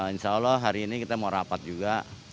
insya allah hari ini kita mau rapat juga